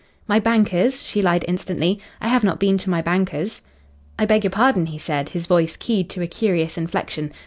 "My bankers?" she lied instantly, "I have not been to my bankers'." "I beg your pardon," he said, his voice keyed to a curious inflection.